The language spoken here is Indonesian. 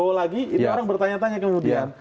pertama lagi prabowo lagi ini orang bertanya tanya kemudian